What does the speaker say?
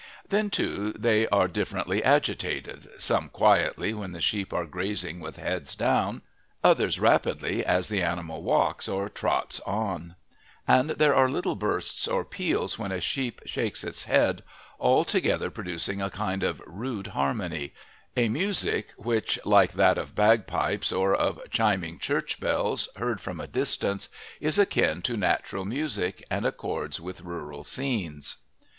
Then, too, they are differently agitated, some quietly when the sheep are grazing with heads down, others rapidly as the animal walks or trots on; and there are little bursts or peals when a sheep shakes its head, all together producing a kind of rude harmony a music which, like that of bagpipes or of chiming church bells, heard from a distance, is akin to natural music and accords with rural scenes.